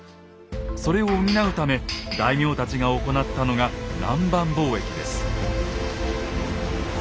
それを補うため大名たちが行ったのが南蛮貿易です。